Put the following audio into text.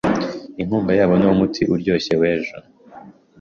inkunga yabo niwo muti uryoshye w'ejo